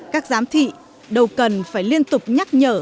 các giám thị đâu cần phải liên tục nhắc nhở